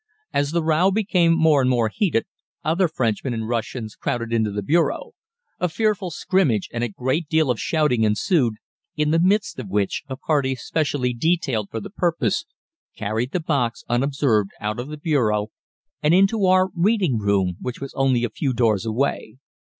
As the row became more and more heated, other Frenchmen and Russians crowded into the bureau. A fearful scrimmage and a great deal of shouting ensued, in the midst of which a party specially detailed for the purpose carried the box unobserved out of the bureau and into our "reading room," which was only a few doors away.